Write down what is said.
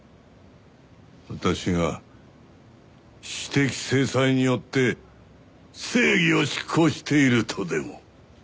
私が私的制裁によって正義を執行しているとでも？